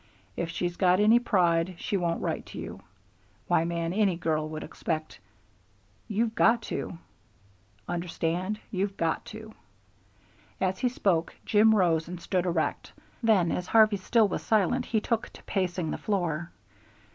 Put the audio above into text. If she's got any pride, she won't write to you Why, man, any girl would expect You've got to! Understand? You've got to!" As he spoke Jim rose and stood erect; then, as Harvey still was silent, he took to pacing the floor.